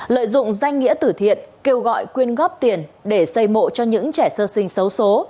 lợi dụng danh nghĩa tử thiện kêu gọi quyên góp tiền để xây mộ cho những trẻ sơ sinh xấu xố